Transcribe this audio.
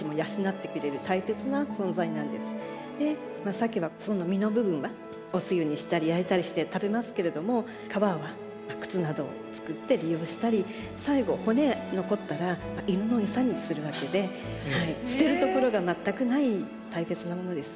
サケは身の部分はおつゆにしたり焼いたりして食べますけれども皮は靴などを作って利用したり最後骨残ったら犬の餌にするわけで捨てるところが全くない大切なものです。